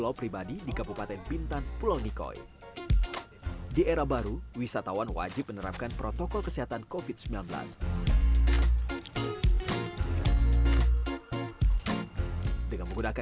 udah kiria dong masuk